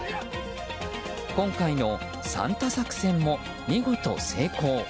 今回のサンタ作戦も見事成功。